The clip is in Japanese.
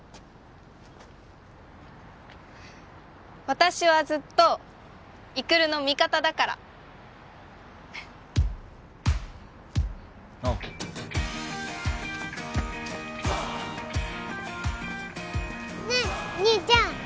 私はずっと育の味方だからおうねえ兄ちゃん